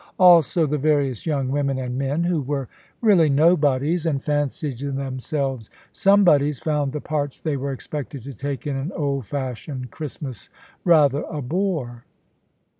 Also, the various young women and men, who were really nobodies, and fancied themselves somebodies, found the parts they were expected to take in an old fashioned Christmas rather a bore.